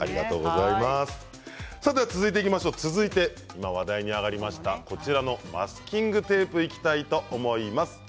続いては今、話題に上がりましたマスキングテープにいきたいと思います。